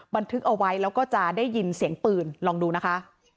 บันทึกเอาไว้แล้วก็จะได้ยินเสียงปืนลองดูนะคะ